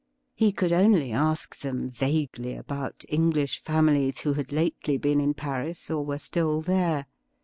He could only ask them vaguely about English famihes who had lately been in Paris or were stiU there.